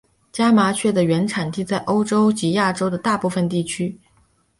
家麻雀的原产地在欧洲及亚洲的大部份区域。